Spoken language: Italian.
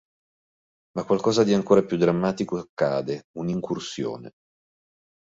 Ma qualcosa di ancora più drammatico accade: un’"incursione".